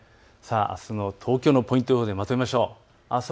あすの東京のポイント予報をまとめます。